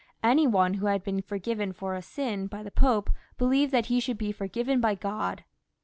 Any one who haJ^been ^ forgiven for a sin by the Pope believed that he should be forgiven by Grod.